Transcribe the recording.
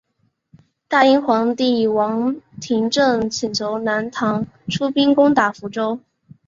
大殷皇帝王延政请求南唐出兵攻打福州。